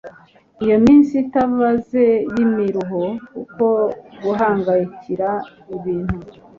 iyo minsi itabaze y'imiruho, uko guhangayikira ibintu